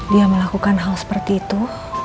dia melakukan hal seperti itu